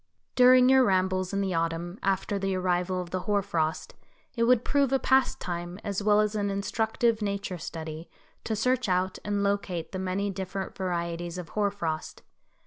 During your rambles in the autumn, after the arrival of the hoar frost, it would prove a pastime as well as an instructive nature study, to search out and locate the many different varieties of hoar frost.